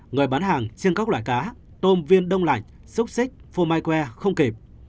người bán hàng chiên các loại cá tôm viên đông lạnh xúc xích phô mai que không kịp